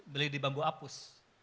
beli di bambu apus